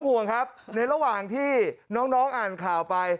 ห่วงครับในระหว่างที่น้องอ่านข่าวไป